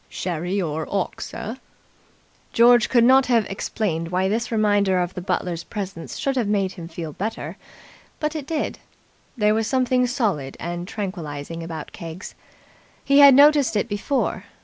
"Sherry or 'ock, sir?" George could not have explained why this reminder of the butler's presence should have made him feel better, but it did. There was something solid and tranquilizing about Keggs. He had noticed it before.